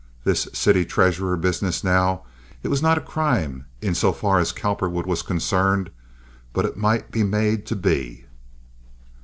This city treasurer business, now. It was not a crime in so far as Cowperwood was concerned; but it might be made to be.